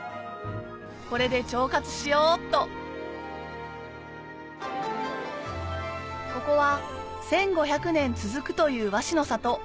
これで腸活しようっとここは１５００年続くという和紙の里